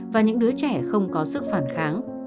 và những đứa trẻ không có sức phản kháng